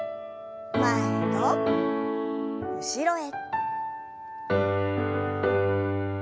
前と後ろへ。